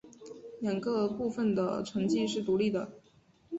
两个部分的成绩是独立的。